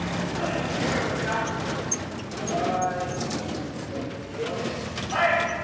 よろしくなはーいじゃあ次ヨネはい！